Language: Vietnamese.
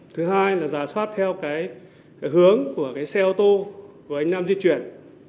thứ hai là giả soát theo cái hướng của cái xe ô tô của anh nam di chuyển